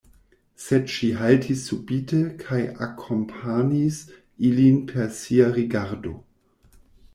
Sed ŝi haltis subite kaj akompanis ilin per sia rigardo.